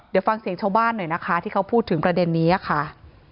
เดี๋ยวฟังเสียงชาวบ้านหน่อยนะคะที่เขาพูดถึงประเด็นนี้ค่ะ